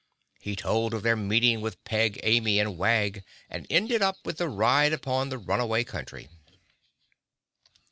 He told of their meeting with Peg Amy and Wag and ended up with the ride upon the Runaway Country.